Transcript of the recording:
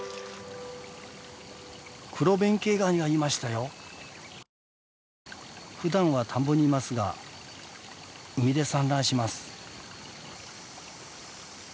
クロベンケイガニがいましたよ。ふだんは田んぼにいますが海で産卵します。